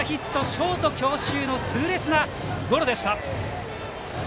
ショート強襲の痛烈なゴロでした。